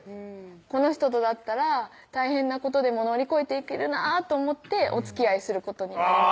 この人とだったら大変なことでも乗り越えていけるなと思っておつきあいすることになりました